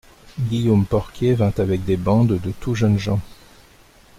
Guillaume Porquier vint avec des bandes de tout jeunes gens.